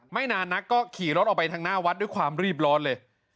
ไม่นานนักก็ขี่รถออกไปทางหน้าวัดด้วยความรีบร้อนเลย